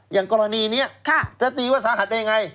อย่างกรณีนี้จะตีว่าสาหัสได้ยังไง